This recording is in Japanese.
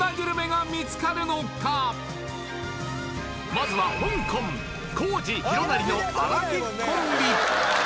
まずは香港浩史・弘也のアラフィフコンビ！